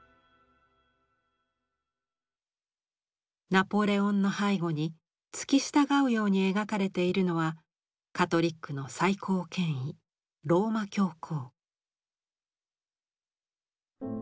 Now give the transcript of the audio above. ナポレオンの背後に付き従うように描かれているのはカトリックの最高権威ローマ教皇。